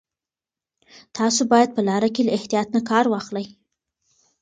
تاسو باید په لاره کې له احتیاط نه کار واخلئ.